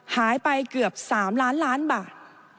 หายไปเกือบ๓ล้านล้านบาท